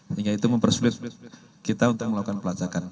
sehingga itu mempersulit kita untuk melakukan pelacakan